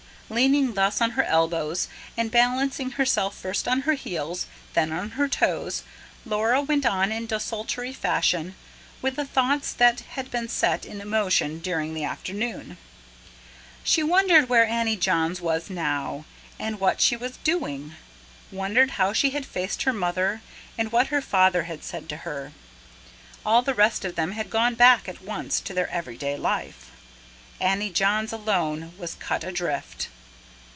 Leaning thus on her elbows, and balancing herself first on her heels, then on her toes, Laura went on, in desultory fashion, with the thoughts that had been set in motion during the afternoon. She wondered where Annie Johns was now, and what she was doing; wondered how she had faced her mother, and what her father had said to her. All the rest of them had gone back at once to their everyday life; Annie Johns alone was cut adrift.